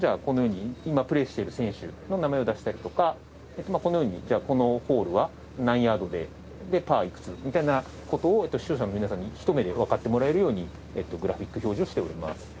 このように今プレーしている選手の名前を出したりとかこのようにこのホールは何ヤードでパーいくつみたいな事を視聴者の皆さんにひと目でわかってもらえるようにグラフィック表示をしております。